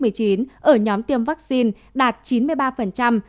ở nhóm tiêm vaccine đạt chín mươi ba